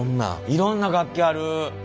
いろんな楽器ある。